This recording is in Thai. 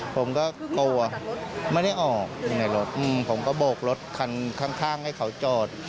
ผมก็กลัวไม่ได้ออกอยู่ในรถผมก็โบกรถคันข้างให้เขาจอด